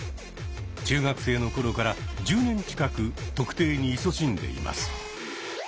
中学生の頃から１０年近く「特定」にいそしんでいます。